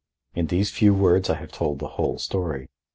In these few words I have told the whole story.